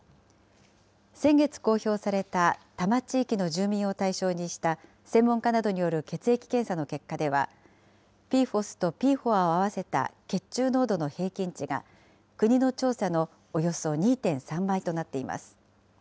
先月公表された、多摩地域の住民を対象にした専門家などによる血液検査の結果では、ＰＦＯＳとＰＦＯＡを合わせた血中濃度の平均値が、国の調査のおよそ２．３倍となっています。